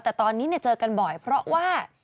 แต่ตอนนี้เจอกันบ่อยเพราะว่า